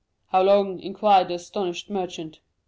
"'How long?' inquired the astonished merchant.